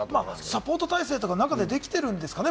サポート体制とか、中でできてるんですかね？